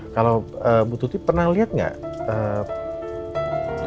kalau bu tuti pernah lihat nggak